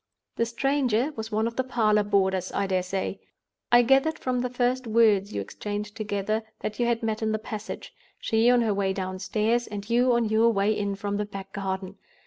The stranger was one of the parlor boarders, I dare say. I gathered from the first words you exchanged together, that you had met in the passage—she on her way downstairs, and you on your way in from the back garden.